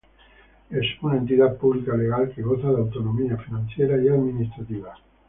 Es una entidad pública legal que goza de autonomía financiera y administrativa.